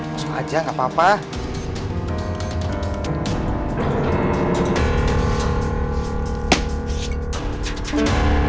langsung aja gak apa apa